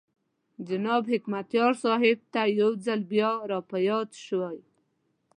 جناب حکمتیار صاحب ته یو ځل بیا را په یاد شوې.